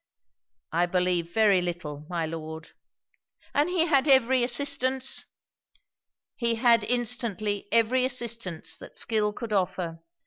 'I believe very little, my Lord.' 'And he had every assistance?' 'He had instantly every assistance that skill could offer.